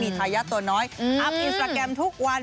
ทายาทตัวน้อยอัพอินสตราแกรมทุกวัน